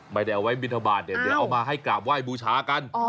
ไม่ได้เอาไว้บินทบาทเดี๋ยวเอามาให้กราบไหว้บูชากัน